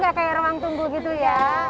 jadi gak kayak ruang tunggu gitu ya